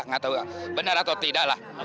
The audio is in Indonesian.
nggak tahu benar atau tidak lah